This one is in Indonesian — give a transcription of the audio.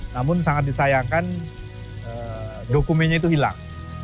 namun sangat disayangkan dokumennya itu hilang